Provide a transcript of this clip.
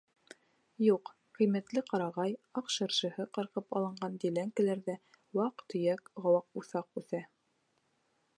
Юҡ, ҡиммәтле ҡарағай, аҡ шыршыһы ҡырҡып алынған диләнкәләрҙә ваҡ-төйәк ҡыуаҡ, уҫаҡ үҫә.